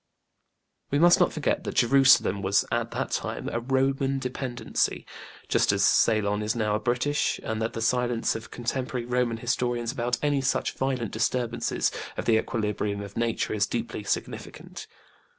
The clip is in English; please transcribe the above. We must not forget that Jerusalem was at that time a Roman dependency, just as Ceylon is now a British, and that the silence of contemporary Roman historians about any such violent disturbances of the equilibrium of nature is deeply significant.